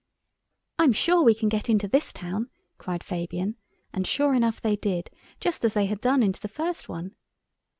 "I'm sure we can get into this town," cried Fabian, and sure enough they did, just as they had done into the first one.